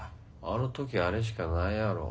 あの時はあれしかないやろ？